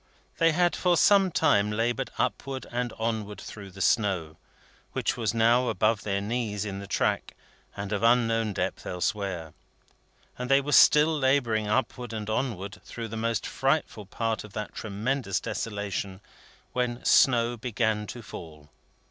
They had for some time laboured upward and onward through the snow which was now above their knees in the track, and of unknown depth elsewhere and they were still labouring upward and onward through the most frightful part of that tremendous desolation, when snow begin to fall.